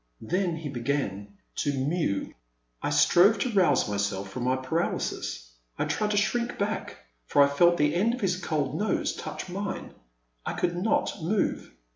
Then he began to mew. I strove to rouse myself from my paralysis — I tried to shrink back, for I felt the end of his cold nose touch mine. I could not move.